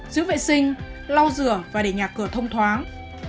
giữ vệ sinh lau rửa và để nhà cửa thông thoáng